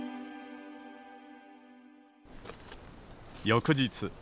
翌日。